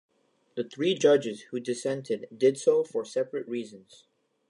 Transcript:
The three judges who dissented did so for separate reasons.